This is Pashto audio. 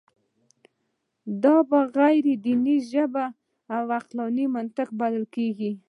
دا په غیر دیني ژبه عقلاني منطق بلل کېږي.